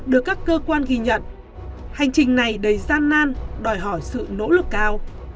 được các cơ quan ghi nhận hành trình này đầy gian nan đòi hỏi sự nỗ lực cao